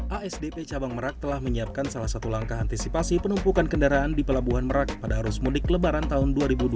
asdp cabang merak telah menyiapkan salah satu langkah antisipasi penumpukan kendaraan di pelabuhan merak pada arus mudik lebaran tahun dua ribu dua puluh